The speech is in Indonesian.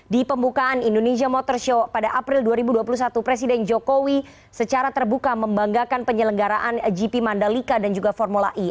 di pembukaan indonesia motor show pada april dua ribu dua puluh satu presiden jokowi secara terbuka membanggakan penyelenggaraan gp mandalika dan juga formula e